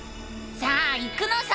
さあ行くのさ！